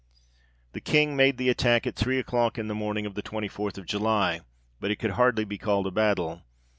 The King made the attack at three o'clock in the morning of the 24th of July, but it could be hardly called a battle.